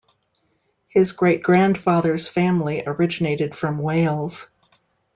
His great-grandfather's family originated from Wales.